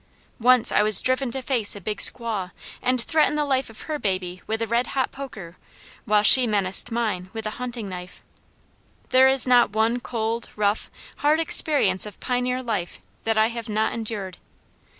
Once I was driven to face a big squaw, and threatened the life of her baby with a red hot poker while she menaced mine with a hunting knife. There is not one cold, rough, hard experience of pioneer life that I have not endured.